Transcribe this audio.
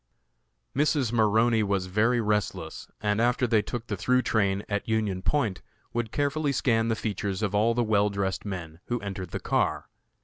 Mrs. Maroney was very restless, and after they took the through train at Union Point, would carefully scan the features of all the well dressed men who entered the car.